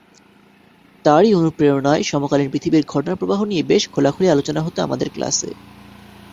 তাঁরই অনুপ্রেরণায় সমকালীন পৃথিবীর ঘটনাপ্রবাহ নিয়ে বেশ খোলাখুলি আলোচনা হতো আমাদের ক্লাসে।